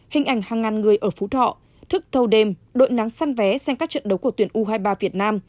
hình ảnh hàng ngàn người ở phú thọ thức thâu đêm đội nắng săn vé xem các trận đấu của tuyển u hai mươi ba việt nam